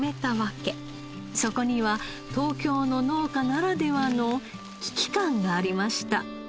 そこには東京の農家ならではの危機感がありました。